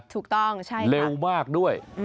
ถูกต้องใช่ครับเร็วมากด้วย